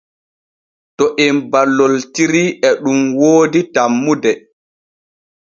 To em balloltiitri e ɗun woodi tanmude.